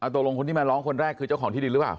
ตกลงคนที่มาร้องคนแรกคือเจ้าของที่ดินหรือเปล่า